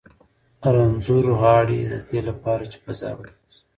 رنځور غاړي د دې لپاره چې فضا بدله شي.